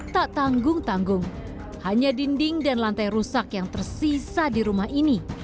tak tanggung tanggung hanya dinding dan lantai rusak yang tersisa di rumah ini